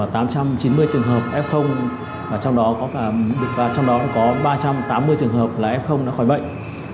trong đó có ba trăm chín mươi trường hợp f và trong đó có ba trăm tám mươi trường hợp f khỏi bệnh